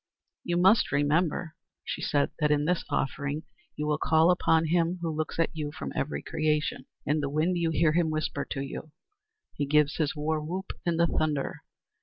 "You must remember," she said, "that in this offering you will call upon him who looks at you from every creation. In the wind you hear him whisper to you. He gives his war whoop in the thunder.